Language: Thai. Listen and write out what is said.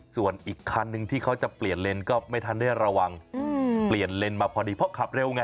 ส่วนอีกคันนึงที่เขาจะเปลี่ยนเลนก็ไม่ทันได้ระวังเปลี่ยนเลนมาพอดีเพราะขับเร็วไง